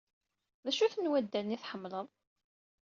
D acu ten waddalen ay tḥemmleḍ?